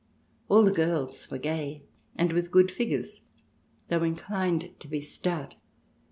All the girls were gay, and with good figures, though inclined to be stout.